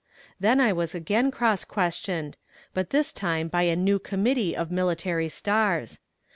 Then I was again cross questioned, but this time by a new committee of military stars.